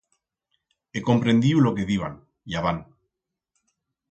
He comprendiu lo que diban, y abant.